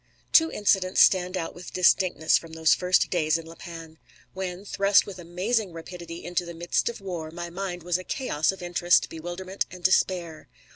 Two incidents stand out with distinctness from those first days in La Panne, when, thrust with amazing rapidity into the midst of war, my mind was a chaos of interest, bewilderment and despair.